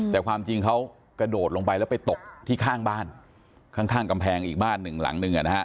แต่ความจริงเขากระโดดลงไปแล้วไปตกที่ข้างบ้านข้างกำแพงอีกบ้านหนึ่งหลังหนึ่ง